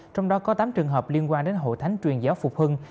trong đó có tám trường hợp liên quan đến hội thánh truyền giáo phục hưng